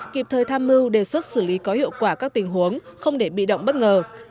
kịp thời tham mưu đề xuất xử lý có hiệu quả các tình huống không để bị động bất ngờ